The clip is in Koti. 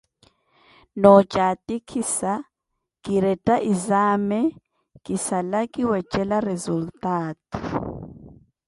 Noocatikhisa kiretta izame kisala kiwecela resultaatu.